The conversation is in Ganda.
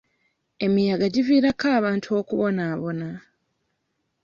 Emiyaga giviirako abantu okubonaabona.